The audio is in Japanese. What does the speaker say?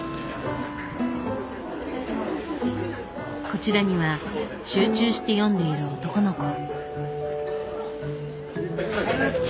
こちらには集中して読んでいる男の子。